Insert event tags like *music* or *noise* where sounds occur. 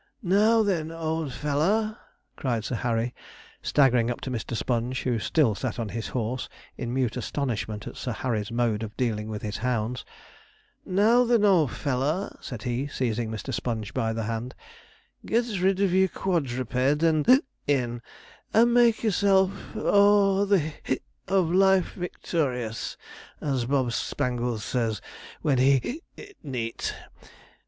'Now, then, old feller,' cried Sir Harry, staggering up to Mr. Sponge, who still sat on his horse, in mute astonishment at Sir Harry's mode of dealing with his hounds. 'Now, then, old feller,' said he, seizing Mr. Sponge by the hand, 'get rid of your quadruped, and *hiccups* in, and make yourself "o'er all the *hiccups* of life victorious," as Bob Spangles says, when he *hiccups* it neat.